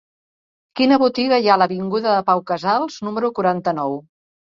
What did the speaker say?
Quina botiga hi ha a l'avinguda de Pau Casals número quaranta-nou?